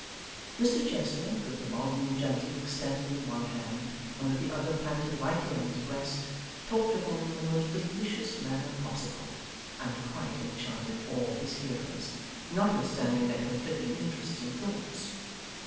Mr Chester, with the volume gently extended in one hand, and with the other planted lightly on his breast, talked to them in the most delicious manner possible; and quite enchanted all his hearers, notwithstanding their conflicting interests and thoughts.